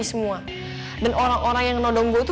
semua dan orang orang yang nodong botol